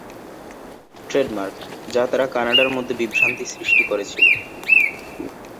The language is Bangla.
ট্রেডমার্ক যা তারা কানাডার মধ্যে বিভ্রান্তির সৃষ্টি করেছিল।